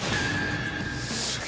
すげえ。